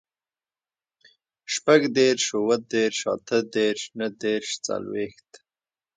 شپوږدېرش, اوهدېرش, اتهدېرش, نهدېرش, څلوېښت